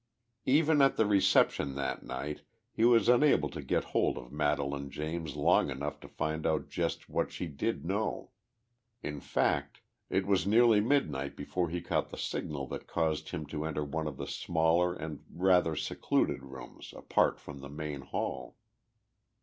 Even at the reception that night he was unable to get hold of Madelaine James long enough to find out just what she did know. In fact, it was nearly midnight before he caught the signal that caused him to enter one of the smaller and rather secluded rooms apart from the main hall.